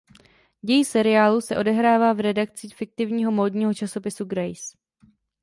Děj seriálu se odehrává v redakci fiktivního módního časopisu "Grace".